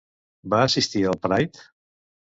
Va assistir al Pride?